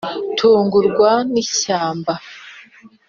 tugurwa n’ishyamba